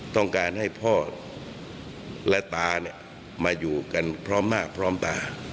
ต้องการให้พ่อและตาเนี่ยมาอยู่กันพร้อมมากพร้อมตา